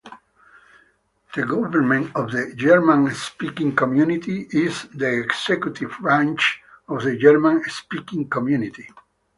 The Government of the German-speaking Community is the executive branch of the German-speaking Community.